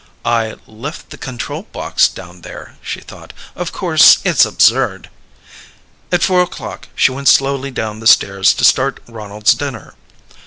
"I left the control box down there," she thought. "Of course, it's absurd...." At four o'clock she went slowly down the stairs to start Ronald's dinner.